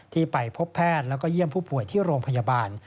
ที่ไปพบแพทย์แล้วก็เยี่ยมผู้ป่วยที่โรงพยาบาล